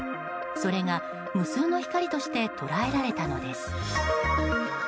それが無数の光として捉えられたのです。